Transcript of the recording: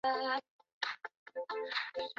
相信它们主要是吃果实。